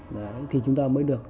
đấy thì chúng ta mới được